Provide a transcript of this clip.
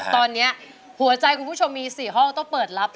ตอนนี้หัวใจคุณผู้ชมมี๔ห้องต้องเปิดรับ